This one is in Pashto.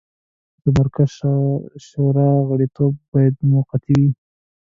د مرکزي شورا غړیتوب باید موقتي وي.